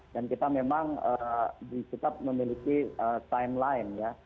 dan kita memang disukap memiliki timeline ya